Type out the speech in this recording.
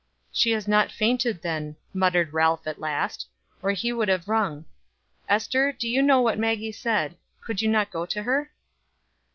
"She has not fainted then," muttered Ralph at last, "or he would have rung. Ester, you know what Maggie said. Could you not go to her?"